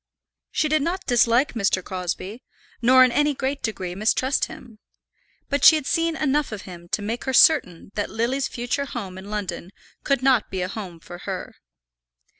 She did not dislike Mr. Crosbie, nor in any great degree mistrust him; but she had seen enough of him to make her certain that Lily's future home in London could not be a home for her.